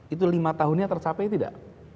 itu lima tahunnya tercapai tidak